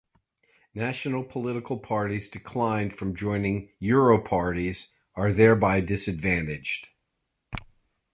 National political parties disinclined from joining Europarties are thereby disadvantaged.